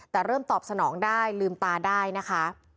แต่เริ่มตอบสนองได้ลืมตาได้นะคะ